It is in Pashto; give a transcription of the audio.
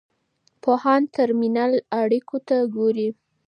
پوهان د ترمینل اړیکو ته ګوري.